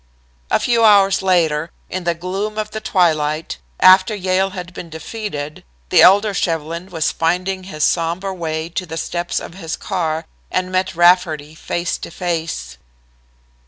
A few hours later, in the gloom of the twilight, after Yale had been defeated, the elder Shevlin was finding his somber way to the steps of his car and met Rafferty face to face.